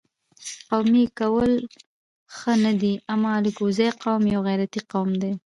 قومي کول ښه نه دي اما الکوزی قوم یو غیرتي قوم دي